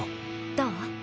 どう？